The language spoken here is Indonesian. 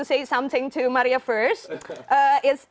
saya ingin memberikan sesuatu kepada maria dulu